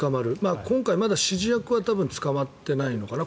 今回、まだ指示役は捕まってないのかな。